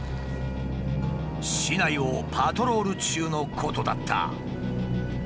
市内をパトロール中のことだった。